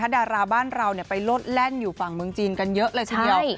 ดาราบ้านเราไปโลดแล่นอยู่ฝั่งเมืองจีนกันเยอะเลยทีเดียว